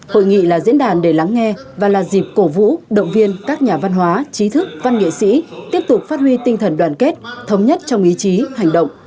hội nghị là diễn đàn để lắng nghe và là dịp cổ vũ động viên các nhà văn hóa trí thức văn nghệ sĩ tiếp tục phát huy tinh thần đoàn kết thống nhất trong ý chí hành động